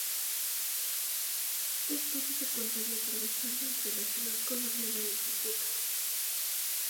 Es paso secundario atravesado entre la ciudad colombiana de Cúcuta.